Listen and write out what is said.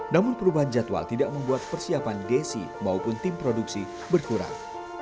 namun perubahan jadwal tidak membuat persiapan desi maupun tim produksi berkurang